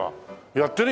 やってる？